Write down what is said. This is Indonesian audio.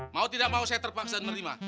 mau tidak mau saya terpaksa menerima